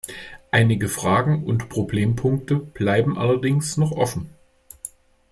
Einige Fragen und Problempunkte bleiben allerdings noch offen.